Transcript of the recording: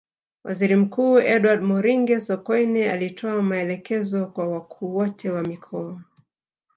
Waziri Mkuu Edward Moringe Sokoine alitoa maelekezo kwa wakuu wote wa mikoa